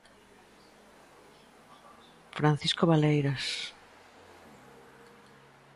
Francisco Valeiras.